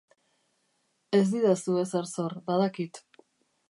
Ez didazu ezer zor, badakit.